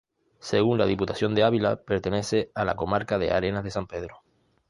Según la Diputación de Ávila pertenece a la comarca de Arenas de San Pedro.